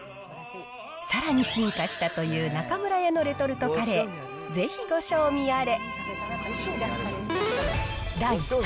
さらに進化したという中村屋のレトルトカレー、ぜひご賞味あれ。